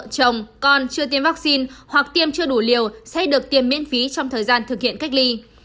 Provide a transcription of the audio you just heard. vợ chồng con chưa tiêm vaccine hoặc tiêm chưa đủ liều sẽ được tiêm miễn phí trong thời gian thực hiện cách ly